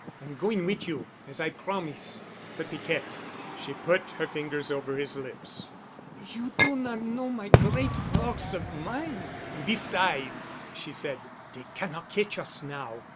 I'm going on wit' you, as I promis'." "But, Piquette——" She put her fingers over his lips. "You do not know my great force of mind. Besides," she added, "dey cannot catch us now."